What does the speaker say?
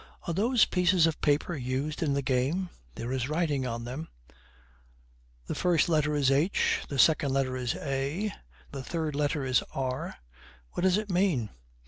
'Are those pieces of paper used in the game? There is writing on them: "The first letter is H the second letter is A the third letter is R." What does it mean?'